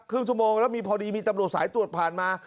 ครึ่งชั่วโมงแล้วมีพอดีมีตำบดูสัยตรวจผ่านมา